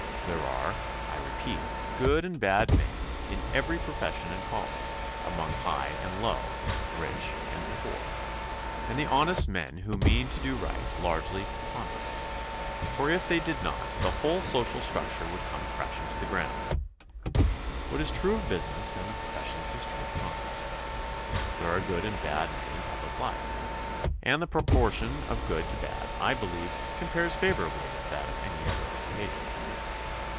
There are, I repeat, good and bad men in every profession and calling, among high and low, rich and poor, and the honest men who mean to do right largely preponderate, for if they did not the whole social structure would come crashing to the ground. What is true of business and the professions is true of Con gress. There are good and bad men in public life, and the proportion of good to bad, I believe, compares favorably with that of any other occupation.